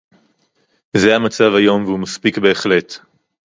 זה המצב היום והוא מספיק בהחלט